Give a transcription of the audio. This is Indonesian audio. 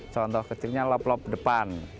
contoh kecilnya lop lop depan